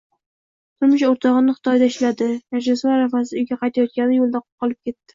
Turmush o`rtog`im Xitoyda ishladi, Rojdestvo arafasida uyga qaytayotganda, yo`lda qolib ketdi